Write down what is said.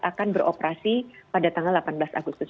akan beroperasi pada tanggal delapan belas agustus